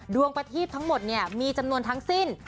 ดวงประทีบทั้งหมดเนี่ยมีจำนวนทั้งสิ้น